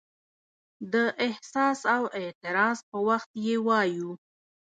د احساس او اعتراض په وخت یې وایو.